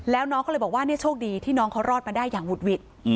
แล้วน้องก็เลยบอกว่าเนี่ยโชคดีที่น้องเขารอดมาได้อย่างหุดหวิด